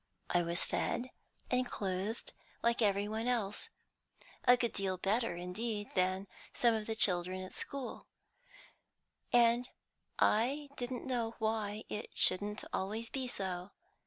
I was fed and clothed like every one else, a good deal better, indeed, than some of the children at school, and I didn't know why it shouldn't always be so.